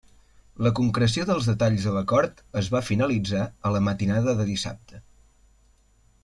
La concreció dels detalls de l'acord es va finalitzar a la matinada de dissabte.